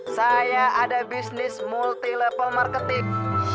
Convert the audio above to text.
saya ada bisnis multi level marketing